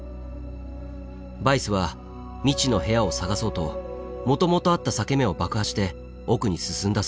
ヴァイスは未知の部屋を探そうともともとあった裂け目を爆破して奥に進んだそうです。